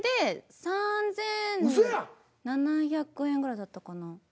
３７００円くらいだったかな。